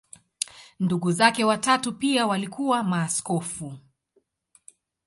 Ndugu zake watatu pia walikuwa maaskofu.